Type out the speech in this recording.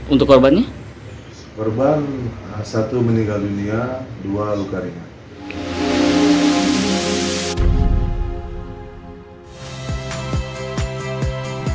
untuk korban satu meninggal dunia dua luka ringan